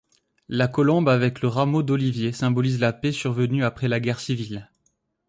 La colombe avec le rameau d'olivier symbolise la paix survenue après la guerre civile.